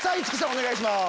お願いします。